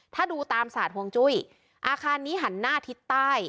ถ้าดูตามศาสตร์ห่วงจุ้ยอาคารนี้หันหน้าทิศใต้